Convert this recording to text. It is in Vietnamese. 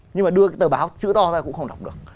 nhưng mà đưa cái tờ báo chữ to ra cũng không đọc được